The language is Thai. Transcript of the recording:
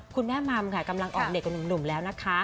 แม่มัมค่ะกำลังออกเด็กกับหนุ่มแล้วนะคะ